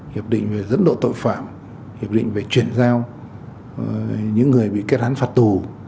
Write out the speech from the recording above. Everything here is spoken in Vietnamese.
hiệp định về dẫn độ tội phạm hiệp định về chuyển giao những người bị kết án phạt tù